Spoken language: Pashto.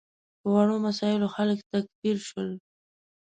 په وړو مسایلو خلک تکفیر شول.